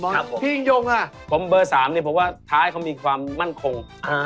ครับผมพี่หญิงยงน่ะผมเบอร์๓เนี่ยผมว่าท้าให้เขามีความมั่นคง